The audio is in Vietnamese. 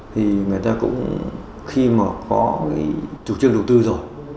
thì người ta cũng khi mà có cái chủ trương đầu tư rồi